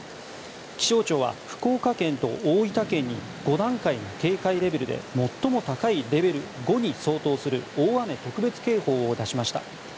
気象庁は福岡県と大分県に５段階の警戒レベルで最も高いレベル５に相当する大雨特別警報を出しました。